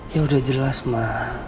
ya udah jelas ma